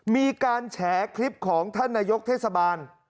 มีการแฉคลิปของท่านนายกเทศบาล